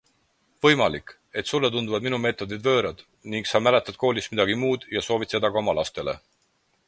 Võimalik, et sulle tunduvad minu meetodid võõrad ning sa mäletad koolist midagi muud ja soovid seda ka oma lastele.